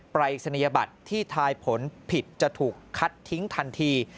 รายศนียบัตรที่ทายผลผิดจะถูกคัดทิ้งทันที